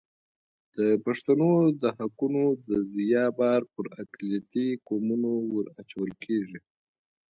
د پښتنو د حقونو د ضیاع بار پر اقلیتي قومونو ور اچول کېږي.